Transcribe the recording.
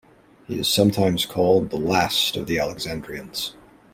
He is sometimes called "the last of the Alexandrians".